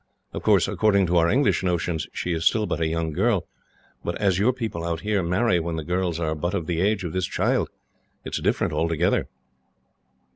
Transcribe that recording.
Of course, according to our English notions, she is still but a young girl, but as your people out here marry when the girls are but of the age of this child, it is different altogether."